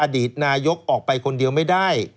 อดีตนายกออกไปคนเดียวไม่ได้